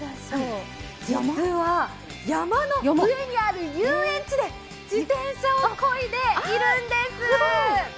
実は山の上にある遊園地で自転車をこいでいるんです。